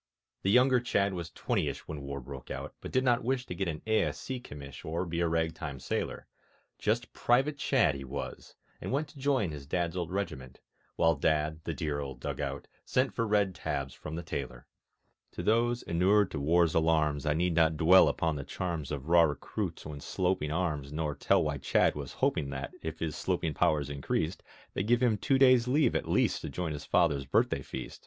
The younger Chadd was twentyish When War broke out, but did not wish To get an A.S.C. commish Or be a rag time sailor; Just Private Chadd he was, and went To join his Dad's old regiment, While Dad (the dear old dug out) sent For red tabs from the tailor. To those inured to war's alarms I need not dwell upon the charms Of raw recruits when sloping arms, Nor tell why Chadd was hoping That, if his sloping powers increased, They'd give him two days' leave at least To join his Father's birthday feast ...